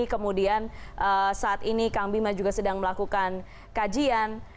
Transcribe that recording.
kemudian saat ini kang bima juga sedang melakukan kajian